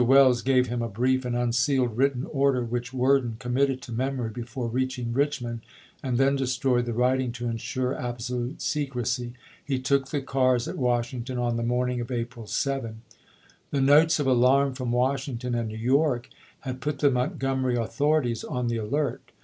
Welles gave him a brief and unsealed written 'Silly" order which Worden committed to memory before '^^p.'^d^^' reaching Richmond, and then destroyed the writ KR*^waik ing to insure absolute secrecy. He took the cars Te.tJei!' at Washington on the morning of April 7. i'., p". 462! ' The notes of alarm from Washington and New York had put the Montgomery authorities on the alert.